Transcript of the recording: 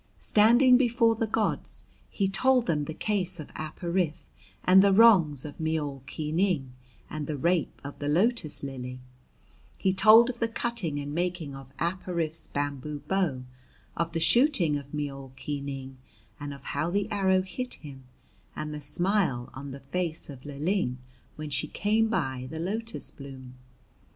Standing before the gods he told them the case of Ap Ariph and the wrongs of Meoul Ki Ning and the rape of the lotus lily; he told of the cutting and making of Ap Ariph's bamboo bow, of the shooting of Meoul Ki Ning, and of how the arrow hit him, and the smile on the face of Lling when she came by the lotus bloom.